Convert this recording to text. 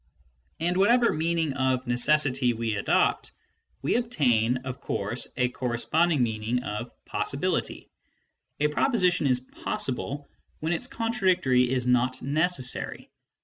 And whatever mean ing of " necessity " we adopt, we obtain, of course, a corresponding meaning of " possibility ": a proposition is possible when its con tradictory is not necessary.